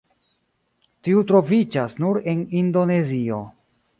Tiu troviĝas nur en Indonezio.